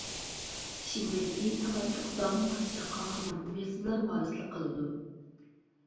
ئىشىنىمەنكى، تالانتلىق زالىم پادىشاھقا ھامان ئۇياتسىزلار ۋارىسلىق قىلىدۇ.